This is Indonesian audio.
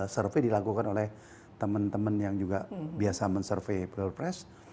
survey dilakukan oleh teman teman yang juga biasa men survey field press